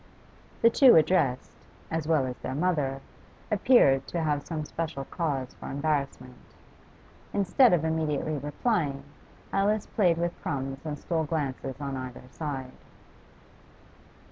The two addressed, as well as their mother, appeared to have some special cause for embarrassment. Instead of immediately replying, Alice played with crumbs and stole glances on either side.